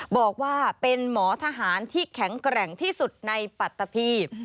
บอกว่าเป็นหมอทหารที่แข็งแกร่งที่สุดในปัตตาพี